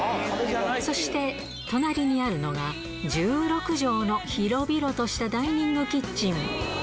そして、隣にあるのが１６畳の広々としたダイニングキッチン。